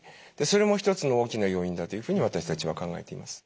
それも一つの大きな要因だというふうに私たちは考えています。